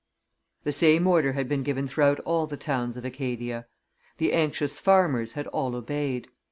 The same order had been given throughout all the towns of Acadia. The anxious farmers had all obeyed.